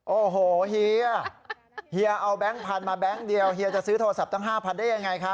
โอ้โหเฮียเฮียเอาแบงค์พันธุมาแบงค์เดียวเฮียจะซื้อโทรศัพท์ตั้ง๕๐๐ได้ยังไงคะ